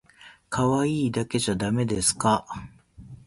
可愛いだけじゃだめですか？